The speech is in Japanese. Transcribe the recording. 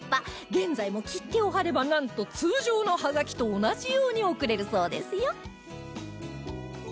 現在も切手を貼ればなんと通常の葉書と同じように送れるそうですよ